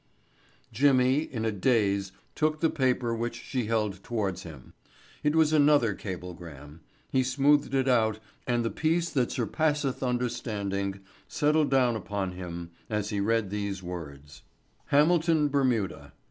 Jimmy, in a daze, took the paper which she held towards him. It was another cablegram. He smoothed it out and the peace that surpasseth understanding settled down upon him as he read these words: HAMILTON, BERMUDA.